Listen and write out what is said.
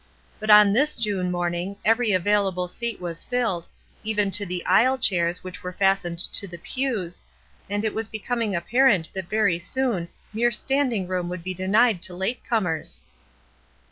But on this June morning every available seat was filled, even to the aisle chairs which were fastened to the pews, and it was becoming apparent that very soon mere stand ing room would be denied to late comers.